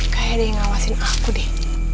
kay ada yang ngawasin aku deh